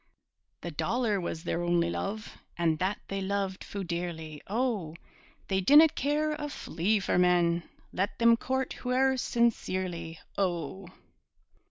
The dollar was their only love, And that they loved fu' dearly, O! They dinna care a flea for men, Let them court hooe'er sincerely, O!